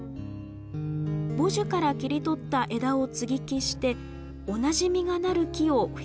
母樹から切り取った枝を接ぎ木して同じ実がなる木を増やしていきました。